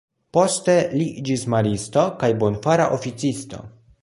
Poste, li iĝis Maristo kaj Bonfara Oficisto.